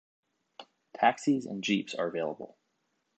Taxis and jeeps are available.